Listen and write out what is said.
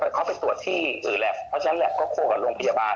ก็ได้เข้าไปตรวจที่หรือและก็ไปคู่กับโรงพยาบาล